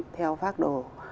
theo phác đồ